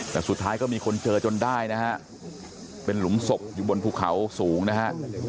แต่สุดท้ายก็มีคนเจอจนได้นะฮะเป็นหลุมศพอยู่บนภูเขาสูงนะฮะ